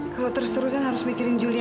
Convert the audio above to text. kalau terus terusan harus mikirin julia